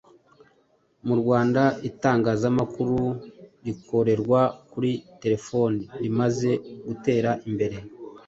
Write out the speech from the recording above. Mu Rwanda itangazamakuru rikorerwa kuri terefoni rimaze gutera imbere.